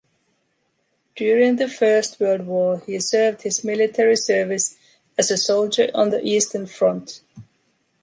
During the first world war he served his military service as a soldier on the eastern front.